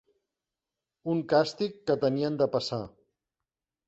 Un càstig que tenien de passar